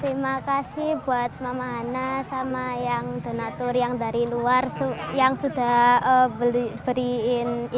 terima kasih buat mama hana sama yang denatur yang dari luar yang sudah beriin ini hari ini